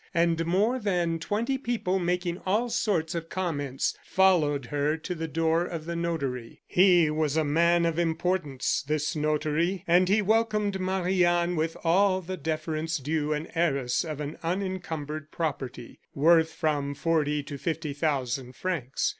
And more than twenty people making all sorts of comments, followed her to the door of the notary. He was a man of importance, this notary, and he welcomed Marie Anne with all the deference due an heiress of an unencumbered property, worth from forty to fifty thousand francs.